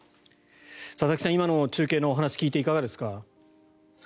佐々木さん、今の中継のお話を聞いていかがですか？